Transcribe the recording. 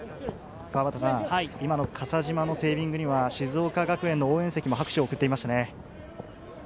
今の笠島のセービングには静岡学園の応援席も拍手を送っていましたね。